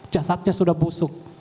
jasadnya sudah busuk